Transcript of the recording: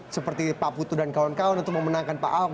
seperti pak putu dan kawan kawan untuk memenangkan pak ahok